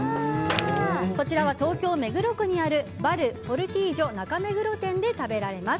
こちらは東京・目黒区にあるバルポルティージョ中目黒店で食べられます。